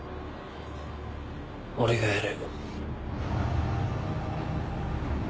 俺がやる。